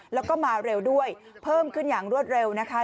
แล้วก็มาเร็วด้วยเพิ่มขึ้นอย่างรวดเร็วนะคะ